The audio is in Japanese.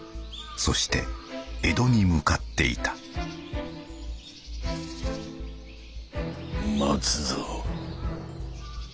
そして江戸に向かっていた松蔵。